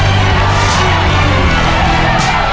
เพื่อชิงทุนต่อชีวิตสุด๑ล้านบาท